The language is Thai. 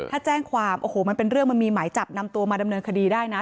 ถ้าแจ้งความโอ้โหมันเป็นเรื่องมันมีหมายจับนำตัวมาดำเนินคดีได้นะ